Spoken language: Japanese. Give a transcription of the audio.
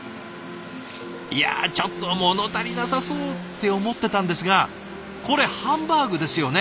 いやちょっと物足りなさそうって思ってたんですがこれハンバーグですよね？